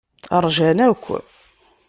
Ṛjan akk.